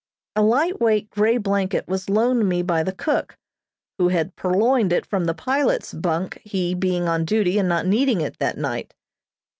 A light weight grey blanket was loaned me by the cook, who had purloined it from the pilot's bunk, he being on duty and not needing it that night.